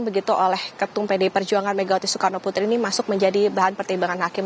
begitu oleh ketum pdi perjuangan megawati soekarno putri ini masuk menjadi bahan pertimbangan hakim